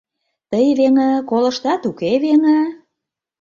Тый, веҥе, колыштат, уке, веҥе?